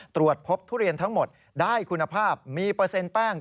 ตรวจพบทุเรียนทั้งหมดได้คุณภาพมีเปอร์เซ็นต์แป้ง